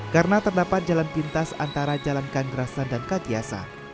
karena terdapat jalan pintas antara jalankan gerasan dan kakiasa